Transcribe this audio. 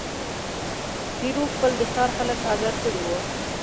پیرو خپل د ښار خلک آزار کړي وه.